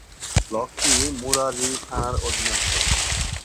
ব্লকটি মুরারই থানার অধীনস্থ।